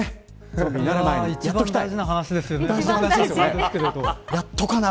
一番大事な話ですよね。